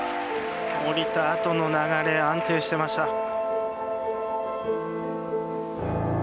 降りたあとの流れ安定していました。